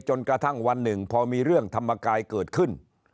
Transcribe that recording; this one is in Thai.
จนกระทั่งวันหนึ่งพอมีเรื่องธรรมกายเกิดขึ้น